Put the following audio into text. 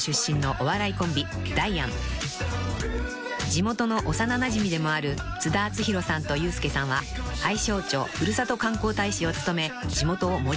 ［地元の幼なじみでもある津田篤宏さんとユースケさんは愛荘町ふるさと観光大使を務め地元を盛り上げています］